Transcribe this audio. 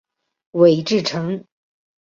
韦志成。